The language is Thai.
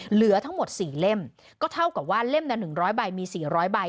เหลือทั้งหมด๔เล่มก็เท่ากับว่าเล่มละ๑๐๐ใบมี๔๐๐ใบ